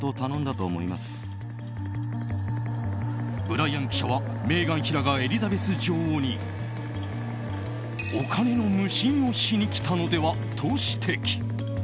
ブライアン記者はメーガン妃らがエリザベス女王にお金の無心をしに来たのではと指摘。